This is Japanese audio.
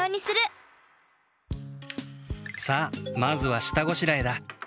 さあまずは下ごしらえだ。